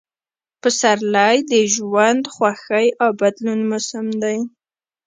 پسرلی – د ژوند، خوښۍ او بدلون موسم